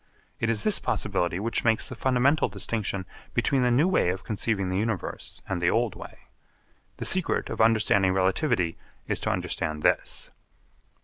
It is this possibility which makes the fundamental distinction between the new way of conceiving the universe and the old way. The secret of understanding relativity is to understand this.